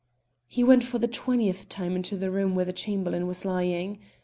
He went for the twentieth time into the room where the Chamberlain was lying.